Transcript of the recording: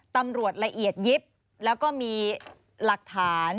ตำรวจละเอียดยิบแล้วก็มีหลักฐาน